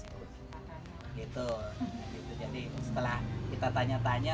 gitu jadi setelah kita tanya tanya